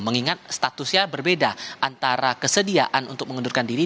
mengingat statusnya berbeda antara kesediaan untuk mengundurkan diri